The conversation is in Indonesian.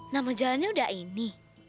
nama jalannya udah ini